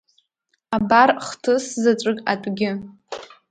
Абар хҭыс заҵәык атәгьы.